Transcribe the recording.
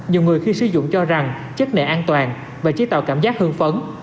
nhiều người khi sử dụng cho rằng chất này an toàn và chế tạo cảm giác hương phấn